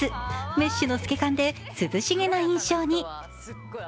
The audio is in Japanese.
メッシュの透け感で涼しげな印象に。